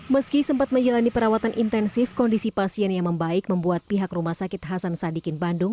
meski sempat menjalani perawatan intensif kondisi pasien yang membaik membuat pihak rumah sakit hasan sadikin bandung